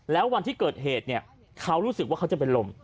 แล้ววันที่เกิดเหตุเขารู้สึกว่าเขาจะเป็นลม